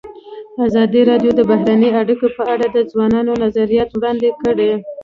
ازادي راډیو د بهرنۍ اړیکې په اړه د ځوانانو نظریات وړاندې کړي.